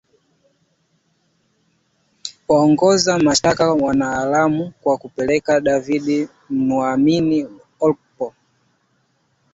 Waongoza mashitaka wanawalaumu kwa kupeleka David Nwamini Ukpo